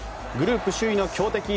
グループ首位の強敵